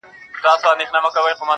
كه ملاقات مو په همدې ورځ وسو,